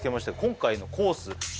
今回のコース